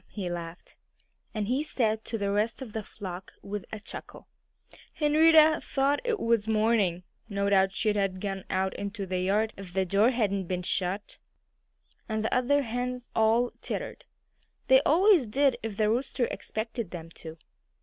he laughed. And he said to the rest of the flock, with a chuckle, "Henrietta thought it was morning! No doubt she'd have gone out into the yard if the door hadn't been shut." And the other hens all tittered. They always did, if the rooster expected them to.